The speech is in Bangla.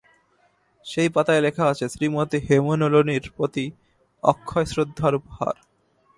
সেই পাতায় লেখা আছে ঃ শ্রীমতী হেমনলিনীর প্রতি অক্ষয়শ্রদ্ধার উপহার।